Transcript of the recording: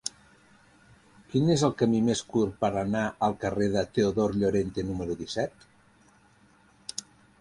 Quin és el camí més curt per anar al carrer de Teodor Llorente número disset?